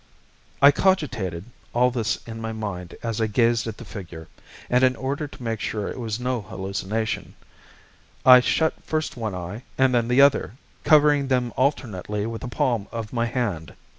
I cogitated all this in my mind as I gazed at the figure, and in order to make sure it was no hallucination, I shut first one eye and then the other, covering them alternately with the palm of my hand.